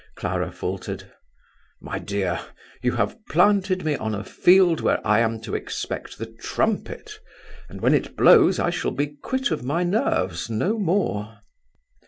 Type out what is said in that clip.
Clara faltered. "My dear, you have planted me on a field where I am to expect the trumpet, and when it blows I shall be quit of my nerves, no more."